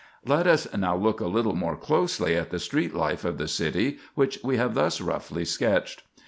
Let us now look a little more closely at the street life of the city which we have thus roughly sketched.